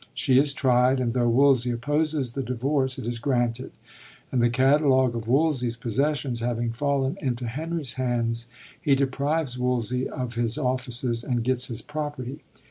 She is tried; and tho' Wolsey opposes the divorce, it is granted; and the catalog of Wolsey's possessions having fallen into Henry's hands, he deprives Wolsey of his offices and gets his property.